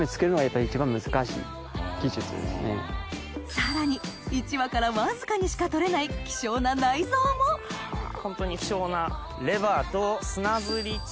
さらに１羽からわずかにしか取れない希少な内臓もホントに希少なレバーと砂ずりと。